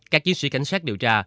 các chiến sĩ cảnh sát điều tra